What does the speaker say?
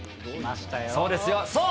そうですよ、そう！